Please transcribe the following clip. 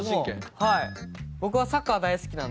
はい。